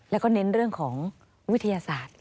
แล้วก็เน้นเรื่องของวิทยาศาสตร์